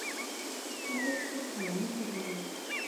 د شاعر شعر قلم زیږوي.